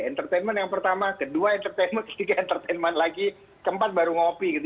entertainment yang pertama kedua entertainment ketiga entertainment lagi keempat baru ngopi gitu